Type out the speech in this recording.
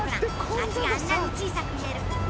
街があんなに小さく見える。